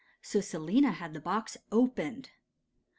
So Selina had the box opened.